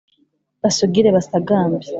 basugire basagambe